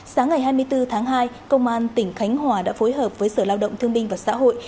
sáng ngày hai mươi bốn tháng hai công an tỉnh khánh hòa đã phối hợp với sở lao động thương binh và xã hội